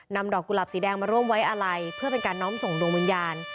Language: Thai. นำดอกกุหลับสีแดงมาร่วมไว้อาลัยเพื่อเป็นการน้อมส่งดวงวิญญาณ